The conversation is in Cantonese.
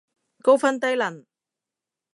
高分低能